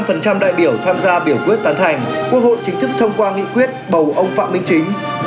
với một trăm linh đại biểu tham gia biểu quyết tán thành quốc hội chính thức thông qua nghị quyết bầu ông phạm minh chính